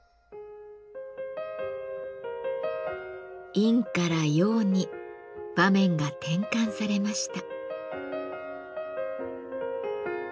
「陰」から「陽」に場面が転換されました。